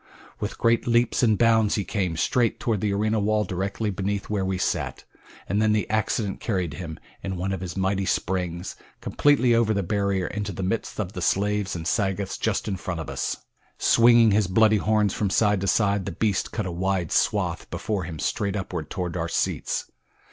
With great leaps and bounds he came, straight toward the arena wall directly beneath where we sat, and then accident carried him, in one of his mighty springs, completely over the barrier into the midst of the slaves and Sagoths just in front of us. Swinging his bloody horns from side to side the beast cut a wide swath before him straight upward toward our seats.